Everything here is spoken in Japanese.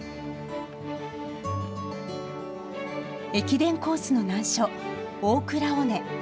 駅伝コースの難所、大倉尾根。